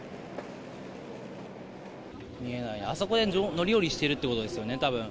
見えない、あそこで乗り降りしてるってことですよね、たぶん。